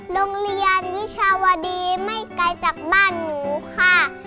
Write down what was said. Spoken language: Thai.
โรงเรียนวิชาวดีไม่ไกลจากบ้านหนูค่ะ